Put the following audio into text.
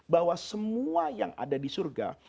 bahwa semua yang ada di surga